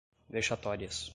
vexatórias